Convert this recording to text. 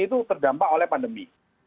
itu terdampak oleh pandemi